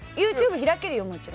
ＹｏｕＴｕｂｅ開けるよ。